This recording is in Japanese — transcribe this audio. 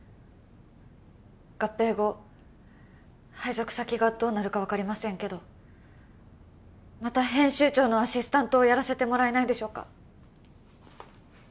合併後配属先がどうなるか分かりませんけどまた編集長のアシスタントをやらせてもらえないでしょうか？